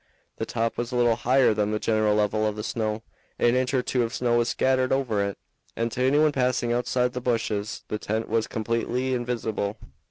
The top was little higher than the general level of the snow, an inch or two of snow was scattered over it, and to anyone passing outside the bushes the tent was completely invisible.